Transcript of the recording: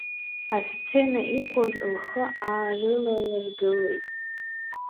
Асцена иқәыз лхы аарылалыргылеит.